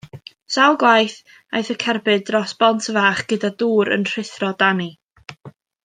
Sawl gwaith aeth y cerbyd dros bont fach gyda dŵr yn rhuthro dani.